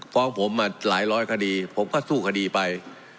ฟ้องผมมาหลายร้อยคดีผมก็สู้คดีไป